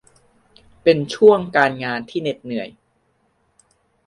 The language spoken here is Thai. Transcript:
เป็นช่วงการงานที่เหน็ดเหนื่อย